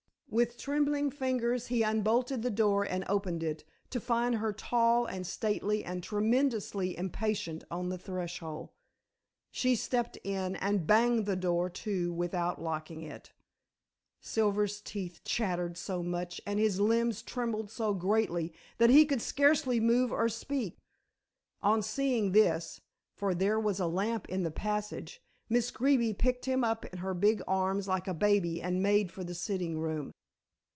With trembling fingers he unbolted the door and opened it, to find her tall and stately and tremendously impatient on the threshold. She stepped in and banged the door to without locking it. Silver's teeth chattered so much and his limbs trembled so greatly that he could scarcely move or speak. On seeing this for there was a lamp in the passage Miss Greeby picked him up in her big arms like a baby and made for the sitting room.